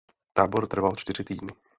Tábor trval čtyři týdny.